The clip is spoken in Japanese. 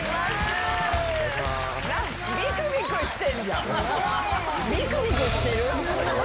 ビクビクしてんじゃん。